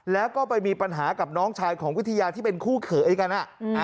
แล้วก็ไปมีปัญหากับน้องชายของวิทยาที่เป็นคู่เขยกัน